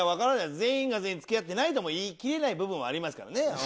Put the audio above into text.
全員が全員付き合ってないとも言いきれない部分はありますからね。